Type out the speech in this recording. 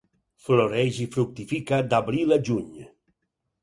Floreix i fructifica d'abril a juny.